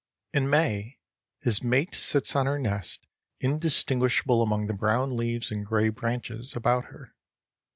In May, his mate sits on her nest, indistinguishable among the brown leaves and gray branches about her.